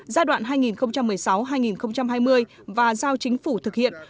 giai đoạn hai nghìn một mươi sáu hai nghìn hai mươi và giao chính phủ thực hiện